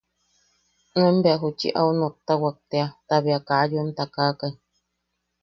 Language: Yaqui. Nuen bea uchi au nottawak tea ta be kaa yoem takakai.